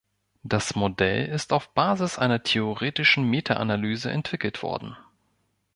Das Modell ist auf Basis einer theoretischen Meta-Analyse entwickelt worden.